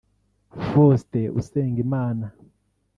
Faustin Usengimana